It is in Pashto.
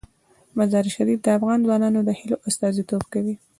مزارشریف د افغان ځوانانو د هیلو استازیتوب کوي.